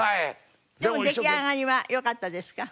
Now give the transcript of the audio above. でも出来上がりは良かったですか？